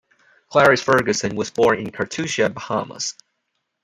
Clarice Ferguson was born in Cartusia, Bahamas.